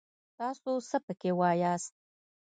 تاڅو څه پکې واياست!